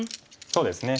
そうですね。